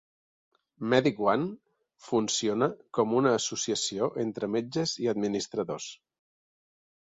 Medic One funciona com una associació entre metges i administradors.